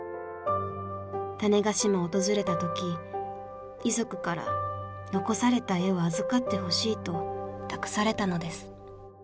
種子島を訪れた時遺族から残された絵を預かってほしいと託されたのです。